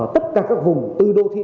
tất cả các vùng tư đô thị